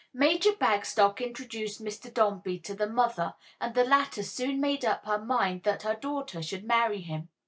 Major Bagstock introduced Mr. Dombey to the mother, and the latter soon made up her mind that her daughter should marry him.